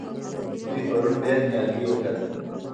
دوی پرون ډېر نیالګي وکرل.